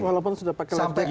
walaupun sudah pakai life jacket